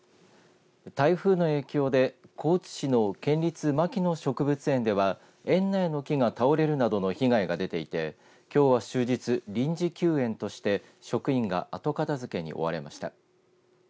台風の影響で高知市の県立牧野植物園では園内の木が倒れるなどの被害が出ていてきょうは終日、臨時休園として職員が後片づけに追われました。